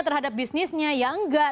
terhadap bisnisnya ya enggak